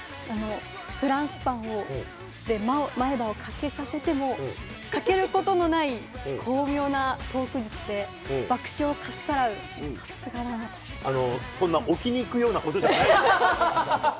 フランスパンで前歯を欠けさせても、かけることのない巧妙なトーク術で爆笑をかっさらう、さすがだなあの、そんな置きに行くようなことじゃない。